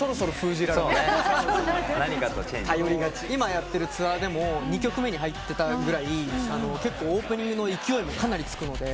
今やってるツアーでも２曲目に入ってたぐらい結構オープニングの勢いもかなりつくので。